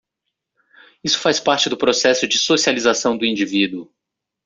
Isso faz parte do processo de socialização do indivíduo.